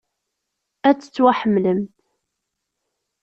Ad tettwaḥemmlemt.